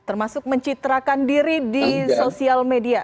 termasuk mencitrakan diri di sosial media